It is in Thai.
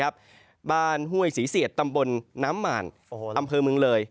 บ้านห่วยสีเศียรตำบลน้ำหม่านอำเภอมึงเลย